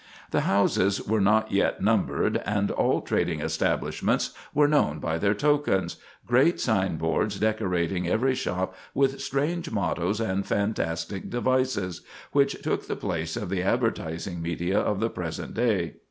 The houses were not yet numbered, and all trading establishments were known by their tokens—great signboards decorating every shop with strange mottoes and fantastic devices, which took the place of the advertising media of the present day.